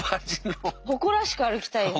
誇らしく歩きたいよね。